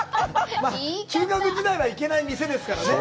中学時代は行けない店ですからね。